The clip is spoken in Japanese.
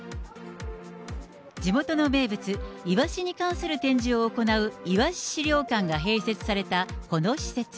地元の名物、イワシに関する展示を行ういわし資料館が併設されたこの施設。